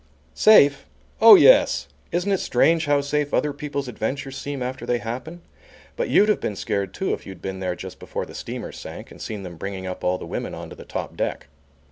Safe! Oh yes! Isn't it strange how safe other people's adventures seem after they happen? But you'd have been scared, too, if you'd been there just before the steamer sank, and seen them bringing up all the women on to the top deck.